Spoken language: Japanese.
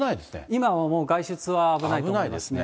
今はもう外出は危ないと思います。